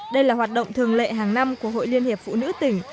đây là hoạt động thường lệ hàng năm của hội liên hiệp phụ nữ tỉnh